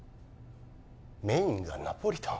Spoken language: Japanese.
メインがナポリタン？